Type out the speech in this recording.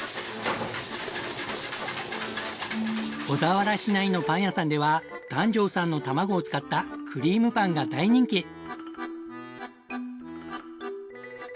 小田原市内のパン屋さんでは檀上さんのたまごを使ったクリームパンが大人気。